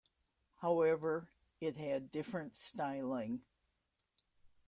However, it had different styling.